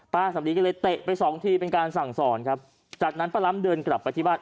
สำลีก็เลยเตะไปสองทีเป็นการสั่งสอนครับจากนั้นป้าล้ำเดินกลับไปที่บ้าน